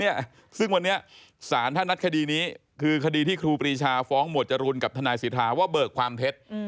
เนี่ยซึ่งวันนี้ศาลท่านนัดคดีนี้คือคดีที่ครูปรีชาฟ้องหมวดจรูนกับทนายสิทธาว่าเบิกความเท็จ